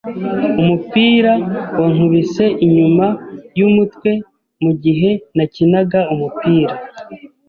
Umupira wankubise inyuma yumutwe mugihe nakinaga umupira.